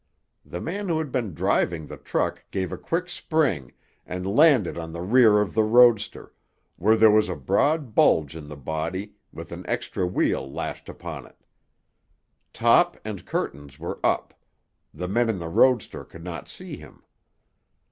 The man who had been driving the truck gave a quick spring—and landed on the rear of the roadster, where there was a broad bulge in the body, with an extra wheel lashed upon it. Top and curtains were up; the men in the roadster could not see him.